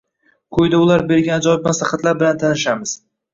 Quyida ular bergan ajoyib maslahatlar bilan tanishamiz.